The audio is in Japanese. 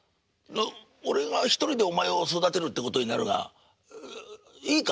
「俺が１人でお前を育てるってことになるがいいか？」。